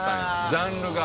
ジャンルが。